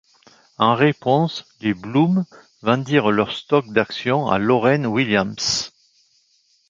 En réponse, les Blume vendirent leur stock d'action à Lorraine Williams.